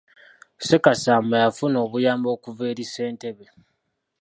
Ssekasamba yafuna obuyambi okuva eri ssentebe.